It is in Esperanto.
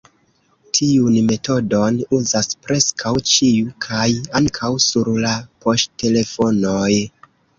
Tiun metodon uzas preskaŭ ĉiu kaj ankaŭ sur la poŝtelefonoj.